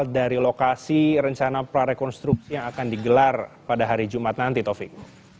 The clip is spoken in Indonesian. dari lokasi rencana prarekonstruksi yang akan digelar pada hari jumat nanti taufik